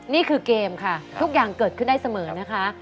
เกมค่ะทุกอย่างเกิดขึ้นได้เสมอนะคะ